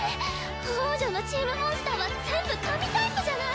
王城のチームモンスターは全部神タイプじゃない。